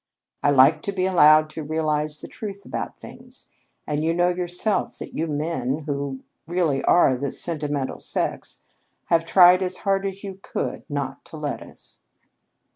I like to be allowed to realize the truth about things, and you know yourself that you men who really are the sentimental sex have tried as hard as you could not to let us."